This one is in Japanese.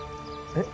え？